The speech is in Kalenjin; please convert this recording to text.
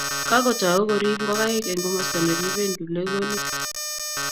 kakutou kuriib ngokaik eng' komosta ne riben kiplekonik